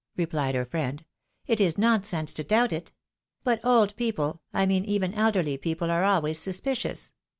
" replied her friend ;" it is nonsense to doubt it. But old people, I mean even elderly people, are always suspicious.